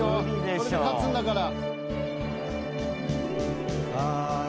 これで勝つんだから。